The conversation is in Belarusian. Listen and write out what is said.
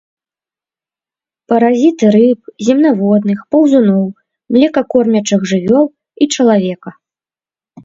Паразіты рыб, земнаводных, паўзуноў, млекакормячых жывёл і чалавека.